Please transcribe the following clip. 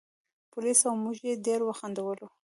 پولیس او موږ یې ډېر وخندولو.